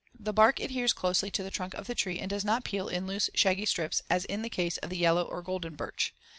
The bark adheres closely to the trunk of the tree and does not peel in loose, shaggy strips, as in the case of the yellow or golden birch.